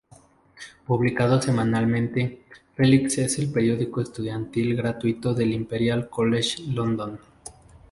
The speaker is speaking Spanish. Publicado semanalmente, Felix es el periódico estudiantil gratuito del Imperial College London.